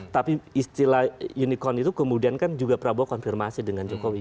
tapi istilah unicorn itu kemudian kan juga prabowo konfirmasi dengan jokowi